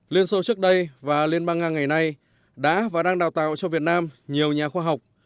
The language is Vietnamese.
liên xô trước đây và liên bang nga ngày nay đã và đang đào tạo cho việt nam nhiều nhà khoa học